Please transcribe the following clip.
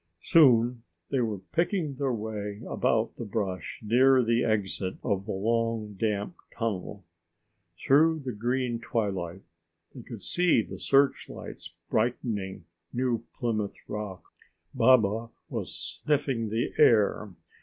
Soon they were picking their way about the brush near the exit of the long, damp tunnel. Through the green twilight they could see the searchlights brightening New Plymouth Rock. Baba was sniffing the air.